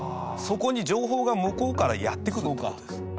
そこに情報が向こうからやってくるって事です。